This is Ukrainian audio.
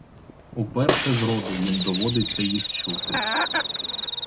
Уперше зроду їм доводиться їх чути.